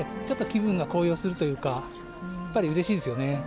ちょっと気分が高揚するというかやっぱり嬉しいですよね